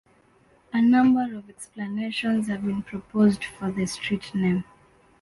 A number of explanations have been proposed for the street name.